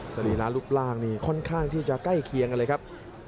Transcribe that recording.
สรีระรูปร่างนี่ค่อนข้างที่จะใกล้เคียงกันเลยครับ